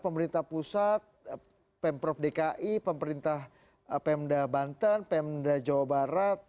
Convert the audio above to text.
pemerintah pusat pemprov dki pemerintah pemda banten pemda jawa barat